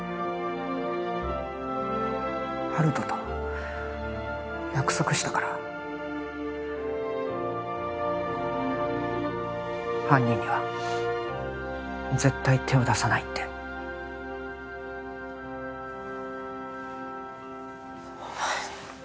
温人と約束したから犯人には絶対手を出さないってお前